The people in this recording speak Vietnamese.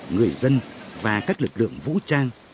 người dân và các lực lượng vũ trang